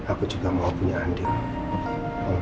aku juga mau punya andil